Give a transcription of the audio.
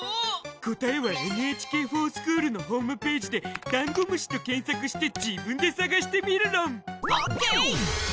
答えは「ＮＨＫｆｏｒＳｃｈｏｏｌ」のホームぺージでダンゴムシと検索して自分で探してみるろん！ＯＫ！